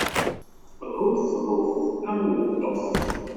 Ḥuf, ḥuf, am uweṭṭuf!